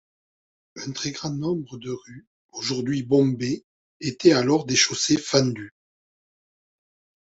Un très grand nombre de rues, aujourd’hui bombées, étaient alors des chaussées fendues.